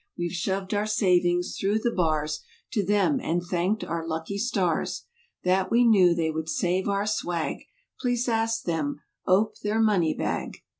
We've shoved our savings through the bars To them and thanked our lucky stars. That we knew they would save our "swag"— Please ask them ope their money bag.